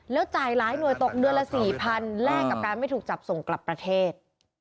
แล้วจ่ายหลายหน่วยตกเดือนละ๔๐๐แลกกับการไม่ถูกจับส่งกลับประเทศ